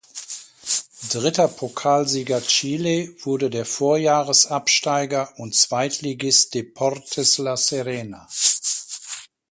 Dritter Pokalsieger Chile wurde der Vorjahresabsteiger und Zweitligist Deportes La Serena.